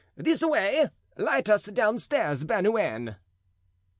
This way—light us downstairs Bernouin."